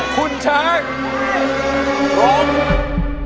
คุณช้างร้อง